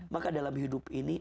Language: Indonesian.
maka dalam hidup ini